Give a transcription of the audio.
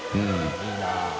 いいな。